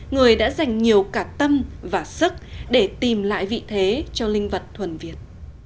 người đã dành nhiều cả tâm và sức để tìm lại vị thế cho linh vật thuần việt